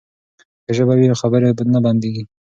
که ژبه وي نو خبرې نه بندیږي.